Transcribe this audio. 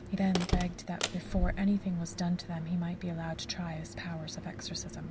He then begged that before anything was done to them he might be allowed to try his powers of exorcism.